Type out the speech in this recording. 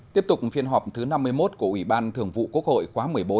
tiếp tục phiên họp thứ năm mươi một của ủy ban thường vụ quốc hội khóa một mươi bốn